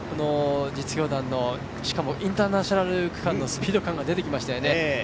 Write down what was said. １区と違って一気に実業団の、しかもインターナショナル区間のスピード感が出てきましたよね。